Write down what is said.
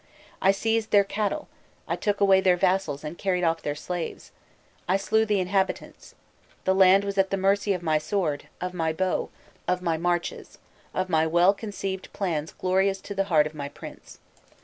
I seized their cattle, I took away their vassals and carried off their slaves, I slew the inhabitants, the land was at the mercy of my sword, of my bow, of my marches, of my well conceived plans glorious to the heart of my prince.